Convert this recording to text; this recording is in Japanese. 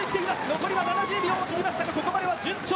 残りは７０秒を切りましたが、ここまでは順調。